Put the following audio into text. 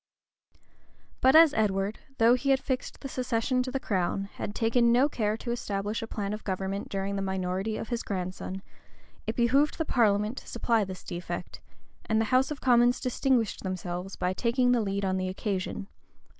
But as Edward, though he had fixed the succession to the crown, had taken no care to establish a plan of government during the minority of his grandson, it behoved the parliament to supply this defect; and the house of commons distinguished themselves by taking the lead on the occasion.